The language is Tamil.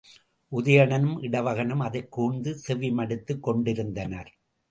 உதயணனும் இடவகனும் அதைக் கூர்ந்து செவி மடுத்துக் கொண்டிருந்தனர்.